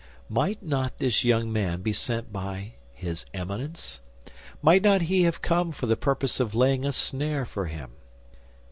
Might not this young man be sent by his Eminence? Might he not have come for the purpose of laying a snare for him?